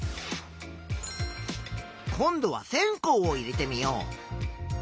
今度は線香を入れてみよう。